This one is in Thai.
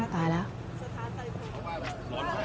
ตายแล้ว